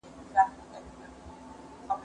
زه به سبا پوښتنه کوم؟